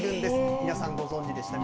皆さん、ご存じでした？